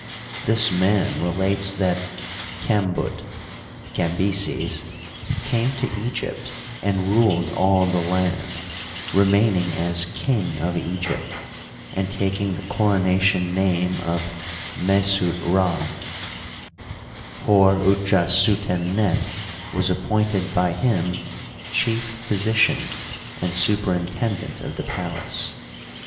This man relates that Kembut (Cambyses) came to Egypt and ruled all the land, remaining as King of Egypt, and taking the corona tion name of Mesut Rd^ Hor utja suten net was appointed by him chief physician and superintendent of the palace.